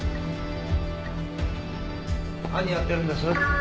何やってるんです？